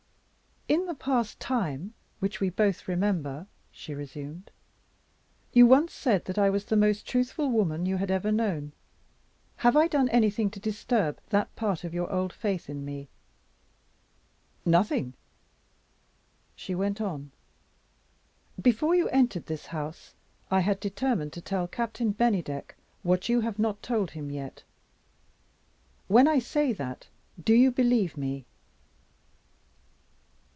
"In the past time, which we both remember," she resumed, "you once said that I was the most truthful woman you had ever known. Have I done anything to disturb that part of your old faith in me?" "Nothing." She went on: "Before you entered this house, I had determined to tell Captain Bennydeck what you have not told him yet. When I say that, do you believe me?"